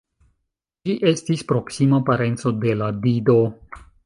Ĝi estis proksima parenco de la Dido.